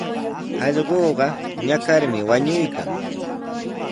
Allquqa ñakarmi wañuykan.